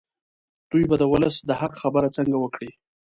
دوی به د ولس د حق خبره څنګه وکړي.